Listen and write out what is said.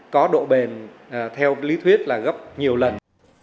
có độ bền theo lý thuyết là gấp nhiều lần